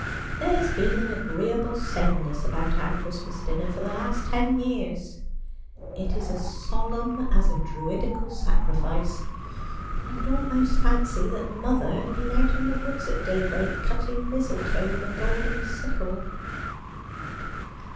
There has been an agreeable sameness about our Christmas dinner for the last ten years. It is as solemn as a 'Love tool not he Constreined hy Maistrie.' 199 Druidical sacrifice. I could almost fancy that mother had been out in the woods at daybreak cutting mistletoe with a golden sickle.'